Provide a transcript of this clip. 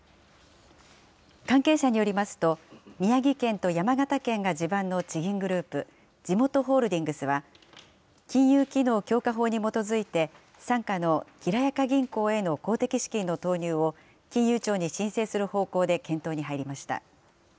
関係者によりますと、宮城県と山形県が地盤の地銀グループ、じもとホールディングスは、金融機能強化法に基づいて、傘下のきらやか銀行への公的資金の投入を、金融庁に申請する方向で検討に入りました。